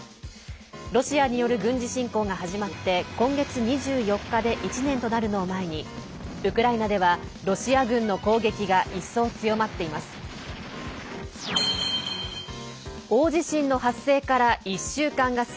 ロシアによる軍事侵攻が始まって今月２４日で１年となるのを前にウクライナではロシア軍の攻撃が一層強まっています。